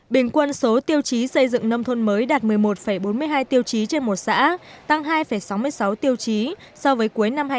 bình quân số tiêu chí xây dựng nông thôn mới đạt một mươi một bốn mươi hai tiêu chí trên một xã tăng hai sáu mươi sáu tiêu chí so với cuối năm hai nghìn một mươi tám